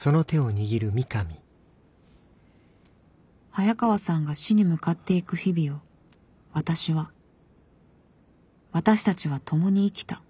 早川さんが死に向かっていく日々を私は私たちはともに生きた。